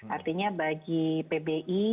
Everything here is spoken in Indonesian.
artinya bagi pbi